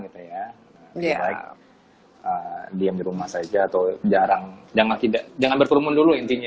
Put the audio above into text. gitu ya baik diam di rumah saja atau jarang jangan tidak jangan berkerumun dulu intinya